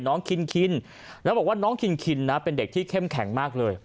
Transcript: คินคินแล้วบอกว่าน้องคินคินนะเป็นเด็กที่เข้มแข็งมากเลย